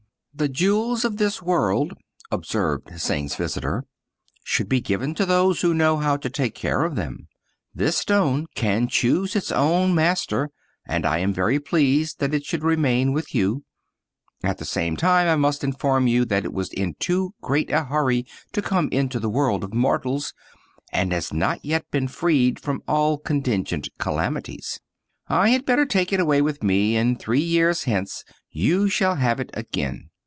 "The jewels of this world," observed Hsing's visitor, " should be given to those who know how to take care of them. This stone can choose its own master, and I am very pleased that it should remain with you ; at the same time I must inform you that it was in too great a hurry to come into the world of mortals, and has not yet been freed from all contingent calamities. I had better take it away with me, and three years hence you shall have it again.